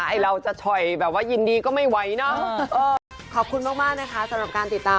ไอ้เราจะช่วยแบบว่ายินดีก็ไม่ไหวนะ